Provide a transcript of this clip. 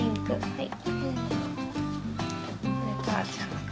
はい。